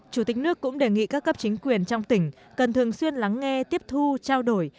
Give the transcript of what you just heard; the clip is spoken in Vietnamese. chủ tịch nước cũng đề nghị các cấp chính quyền trong tỉnh cần thường xuyên lắng nghe tiếp thu trao đổi